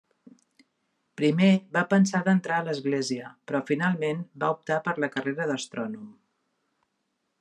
Primer va pensar d'entrar a l'església però finalment va optar per a la carrera d'astrònom.